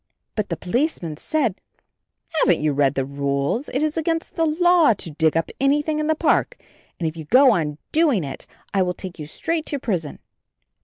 But the Policeman said, "Haven't you read the rules? It is against the law to dig up anything in the park and if you go on do ing it I will take you straight to prison."